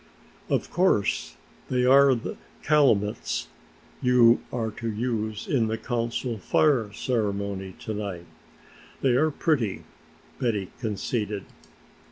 "Of course, they are the calumets you are to use in the Council Fire ceremony to night. They are pretty!" Betty conceded.